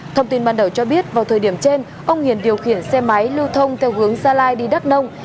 thông tin ban đầu cho biết vào thời điểm trên ông hiền điều khiển xe máy lưu thông theo hướng gia lai đi đắk nông